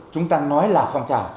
chúng ta nói là phong trào